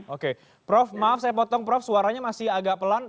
oke prof maaf saya potong prof suaranya masih agak pelan